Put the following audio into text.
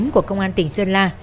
của công an tỉnh sơn la